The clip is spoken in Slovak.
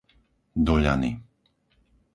Doľany